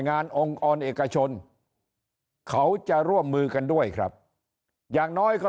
องค์กรเอกชนเขาจะร่วมมือกันด้วยครับอย่างน้อยก็